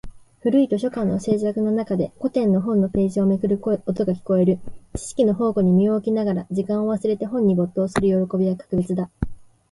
古い図書館の静寂の中で、古典の本のページをめくる音が聞こえる。知識の宝庫に身を置きながら、時間を忘れて本に没頭する喜びは格別だ。